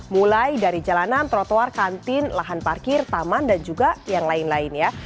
mulai dari jalanan trotoar kantin lahan parkir taman dan juga yang lain lain ya